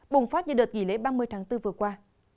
bùng phát như đợt nghỉ lễ ba mươi tháng bốn vừa qua